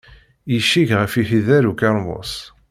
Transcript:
Yecceg ɣef iḥider ukermus.